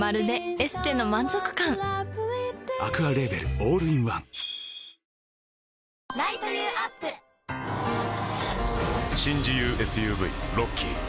オールインワン新自由ＳＵＶロッキー